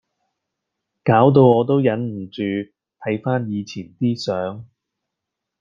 搞到我都忍唔住睇番以前啲相⠀